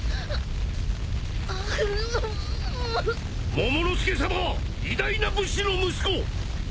モモの助さまは偉大な武士の息子！